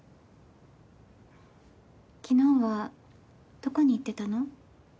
昨日はどこに行ってたの？